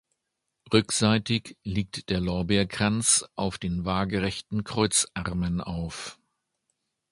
Rückseitig liegt der Lorbeerkranz auf den waagrechten Kreuzarmen auf.